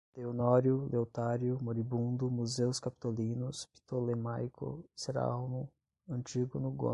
Leonório, Leotário, moribundo, Museus Capitolinos, ptolemaico, Cerauno, Antígono Gônatas